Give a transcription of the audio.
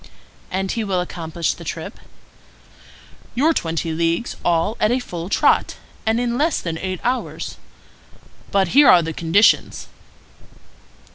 "And he will accomplish the trip?" "Your twenty leagues all at a full trot, and in less than eight hours. But here are the conditions."